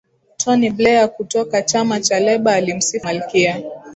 tony blair kutoka chama cha labour alimsifu malkia